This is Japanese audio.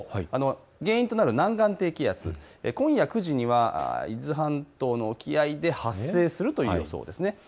原因となる南岸低気圧、今夜９時には伊豆半島の沖合で発生するという予想です。